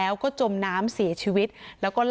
มีคนจมน้ำเสียชีวิต๔ศพแล้วเนี่ย